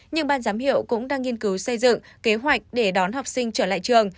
nhưng ban giám hiệu cũng đang nghiên cứu xây dựng kế hoạch để đón học sinh trở lại trường